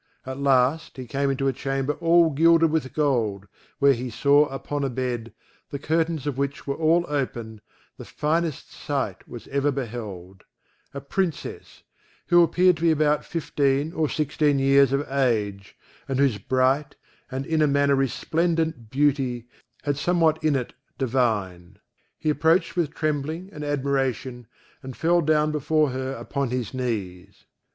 At last he came into a chamber all gilded with gold, where he saw, upon a bed, the curtains of which were all open, the finest sight was ever beheld: a Princess, who appeared to be about fifteen or sixteen years of age, and whose bright, and in a manner resplendent beauty, had somewhat in it divine. He approached with trembling and admiration, and fell down before her upon his knees.